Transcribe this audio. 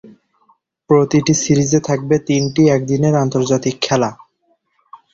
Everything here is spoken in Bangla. প্রতিটি সিরিজে থাকবে তিনটি একদিনের আন্তর্জাতিক খেলা।